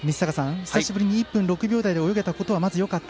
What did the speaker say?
久しぶりに１分６秒台で泳げたことはまずよかった。